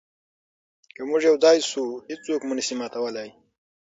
که موږ یو ځای شو، هیڅوک مو نه شي ماتولی.